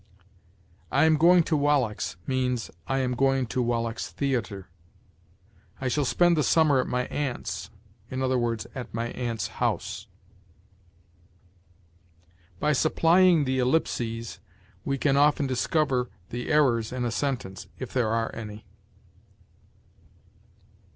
"I am going to Wallack's" means, "I am going to Wallack's theatre." "I shall spend the summer at my aunt's"; i. e., at my aunt's house. By supplying the ellipses we can often discover the errors in a sentence, if there are any.